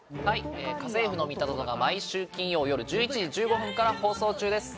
『家政夫のミタゾノ』が毎週金曜よる１１時１５分から放送中です。